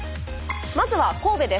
まずは神戸です。